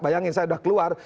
bayangin saya udah keluar